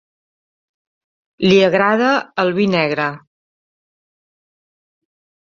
Li agrada el vi negre.